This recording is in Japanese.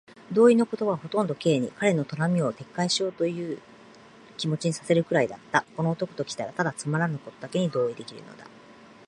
同意の言葉はほとんど Ｋ に、彼の頼みを撤回しようというという気持にさせるくらいだった。この男ときたら、ただつまらぬことにだけ同意できるのだ。